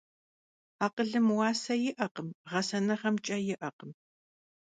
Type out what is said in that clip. Akhılım vuase yi'ekhım, ğesenığem ç'e yi'ekhım.